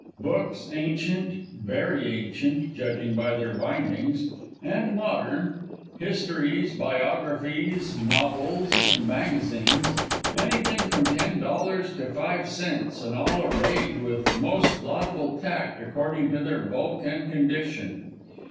Books ancient very ancient, judging by their bindings and modern histories, biographies, novels and magazines anything from ten dollars to five cents, and all arrayed with most laudable tact according to their bulk and condition.